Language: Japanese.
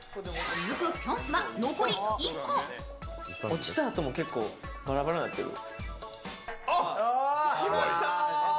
落ちたあとも結構バラバラになってる。